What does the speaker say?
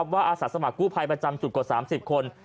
อาสาสมัครกู้ภัยประจำจุดกว่า๓๐คน